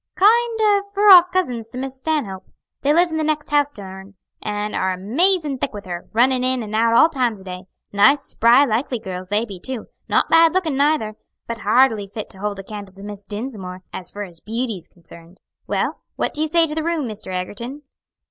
"Kind o' fur off cousins to Miss Stanhope. They live in that next house to hern, and are amazin' thick with her, runnin' in and out all times o' day. Nice, spry, likely girls they be too, not bad lookin' neither, but hardly fit to hold a candle to Miss Dinsmore, as fur as beauty's concerned. Well, what do you say to the room, Mr. Egerton?"